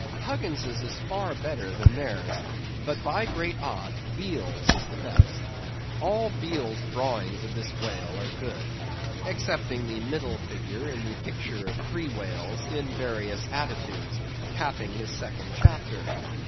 Huggins's is far better than theirs; but, by great odds, Beale's is the best. All Beale's drawings of this whale are good, excepting the middle figure in the picture of three whales in various attitudes, capping his second chapter.